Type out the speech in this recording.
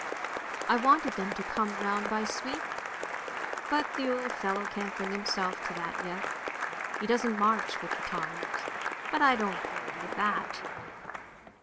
I wanted them to come round by Sweden, but the old fellow can't bring himself to that yet. He doesn't march with the times, but I don't hold with that!